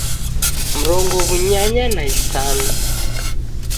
Mrongo w'unyanya na isanu